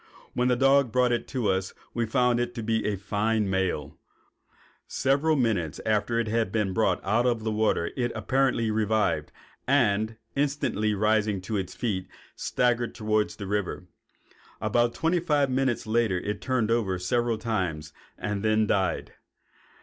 When the dog brought it to us we found it to be a fine male. Several minutes after it had been brought out of the water it apparently revived, and, instantly rising to its feet, staggered toward the river. About twenty five minutes later it turned over several times and then died.